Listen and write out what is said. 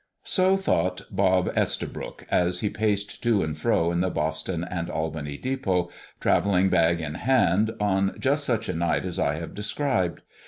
So thought Bob Estabrook, as he paced to and fro in the Boston and Albany depot, traveling bag in hand, on just such a night as I have described.